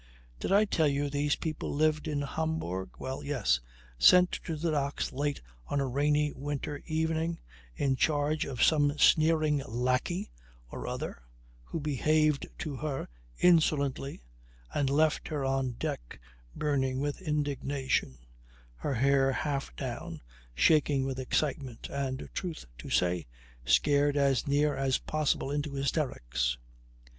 Did I tell you these people lived in Hamburg? Well yes sent to the docks late on a rainy winter evening in charge of some sneering lackey or other who behaved to her insolently and left her on deck burning with indignation, her hair half down, shaking with excitement and, truth to say, scared as near as possible into hysterics.